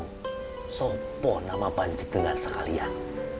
kenapa nama saya terluka dengan kalian